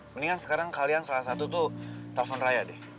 mendingan sekarang kalian salah satu tuh telpon raya deh